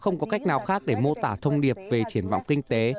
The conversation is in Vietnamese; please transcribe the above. không có cách nào khác để mô tả thông điệp về triển vọng kinh tế